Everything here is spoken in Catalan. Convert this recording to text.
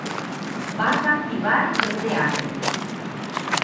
Va captivar el teatre.